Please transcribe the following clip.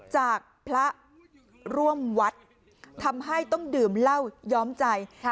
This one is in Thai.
จากพระร่วมวัดทำให้ต้องดื่มเหล้าย้อมใจ